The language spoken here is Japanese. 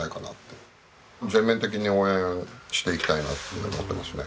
全面的に応援していきたいなっていうふうに思ってますね。